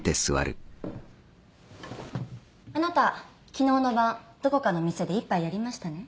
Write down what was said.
あなた昨日の晩どこかの店で一杯やりましたね？